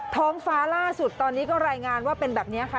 ท้องฟ้าล่าสุดตอนนี้ก็รายงานว่าเป็นแบบนี้ค่ะ